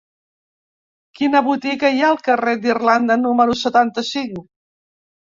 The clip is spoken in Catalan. Quina botiga hi ha al carrer d'Irlanda número setanta-cinc?